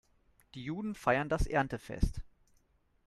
Die Juden feiern das Erntefest.